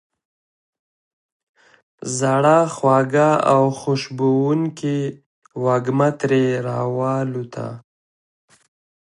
زړه خوږه او خوشبوونکې وږمه ترې را والوته.